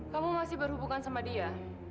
kamu masih berhubungan sama dia